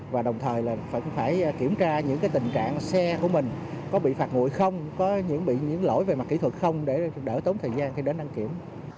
và phải kiểm tra những tình trạng xe của mình có bị phạt nguội không có những lỗi về mặt kỹ thuật không để đỡ tốn thời gian khi đến đăng kiểm